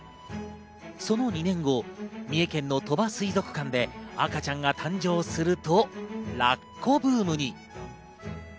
その２年後、三重県の鳥羽水族館で赤ちゃんが誕生すると、ラッコブームに。